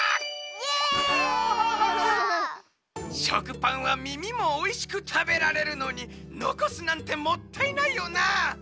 しょくぱんはみみもおいしくたべられるのにのこすなんてもったいないよな。